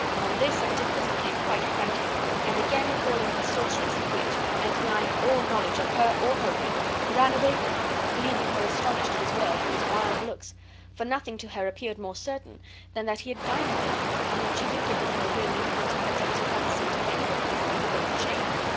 On this Antipholus became quite frantic, and again calling her sorceress and witch, and denying all knowledge of her or her ring, ran away from her, leaving her astonished at his words and his wild looks, for nothing to her appeared more certain than that he had dined with her, and that she had given him a ring in consequence of his promising to make her a present of a gold chain.